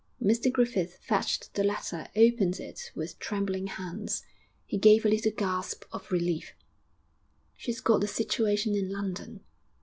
Mr Griffith fetched the letter, opened it with trembling hands.... He gave a little gasp of relief. 'She's got a situation in London.'